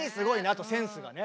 あとセンスがね。